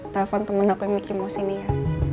telepon temen aku yang ricky mau sini ya